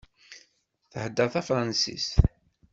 Thedder tafransist.